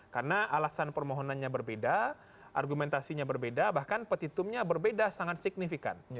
karena alasan permohonannya berbeda argumentasinya berbeda bahkan petitumnya berbeda sangat signifikan